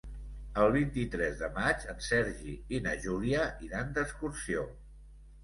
El vint-i-tres de maig en Sergi i na Júlia iran d'excursió.